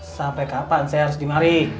sampai kapan saya harus dimari